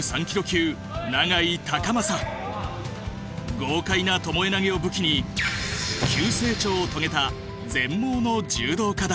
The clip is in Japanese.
豪快な巴投げを武器に急成長を遂げた全盲の柔道家だ。